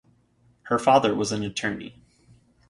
Her father was an attorney.